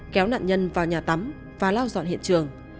kéo nạn nhân vào nhà tắm và lau dọn hiện trường